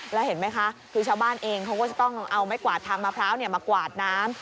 แล้วเห็นไหมคะคือชาวบ้านเองเขาก็จะต้องเอาไม้กวาดทางมะพร้าวมากวาดน้ำ